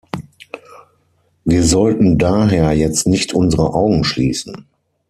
Wir sollten daher jetzt nicht unsere Augen schließen.